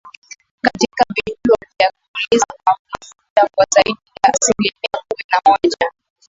katika vituo vya kuuzia mafuta kwa zaidi ya asilimia kumi na moja